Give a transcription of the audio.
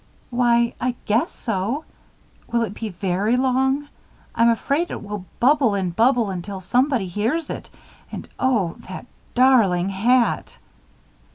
"Why, I guess so. Will it be very long? I'm afraid it will bubble and bubble until somebody hears it. And oh! That darling hat!"